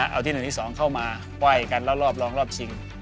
เอาที่๑๒เข้ามาไหว่กันแล้วรอบรองรอบชิง